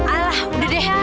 alah udah deh